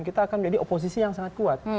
kita akan menjadi oposisi yang sangat kuat